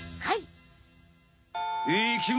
はい。